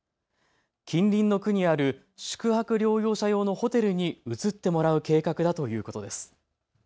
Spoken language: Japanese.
近隣の区にある宿泊療養者用のホテルに移ってもらう計画だということです。